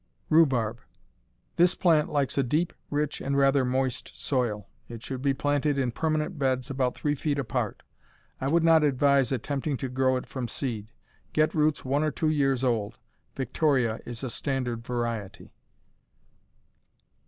Rhubarb This plant likes a deep, rich, and rather moist soil. It should be planted in permanent beds, about three feet apart. I would not advise attempting to grow it from seed. Get roots one or two years old. Victoria is a standard variety.